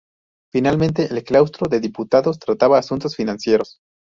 Finalmente, el claustro de diputados trataba asuntos financieros.